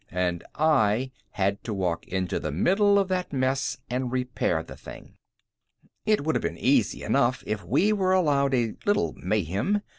And I had to walk into the middle of that mess and repair the thing. It would have been easy enough if we were allowed a little mayhem.